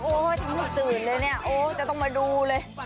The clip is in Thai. โอ้เธอไม่ตื่นเลยเนี่ยโอ้จะต้องมาดูเลย